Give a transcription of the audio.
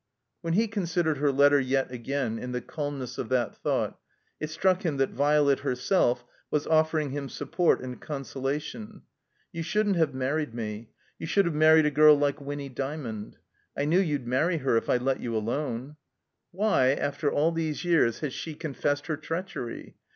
When he considered her letter yet again in the calmness of that thought, it struck him that Violet herself was offering him support and consolation. .You shouldn't have married me. You should have married a girl like Winny Djnnond." — "I knew you'd marry her if I let you alone." Why, after all these years, had she confessed her treachery?